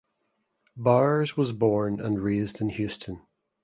Bowers was born and raised in Houston.